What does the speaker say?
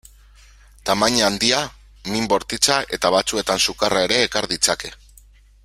Tamaina handia, min bortitza eta batzuetan sukarra ere ekar ditzake.